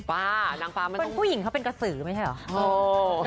ผู้หญิงเขาเป็นกระสือไม่ใช่เหรอ